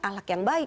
ahlak yang baik